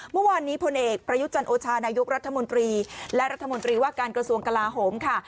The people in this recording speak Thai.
เมื่อวานนี้พลเอกประยุจันโอชานายกรัฐมนตรีและรัฐมนตรีว่าการกระทรวงกลาโหมค่ะ